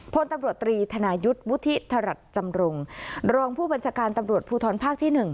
พลตำรวจตรีธนายุทธ์วุฒิธรัฐจำรงรองผู้บัญชาการตำรวจภูทรภาคที่๑